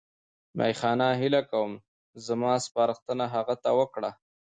میاخانه هیله کوم زما سپارښتنه هغه ته وکړه.